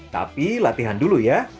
tapi latihan dulu ya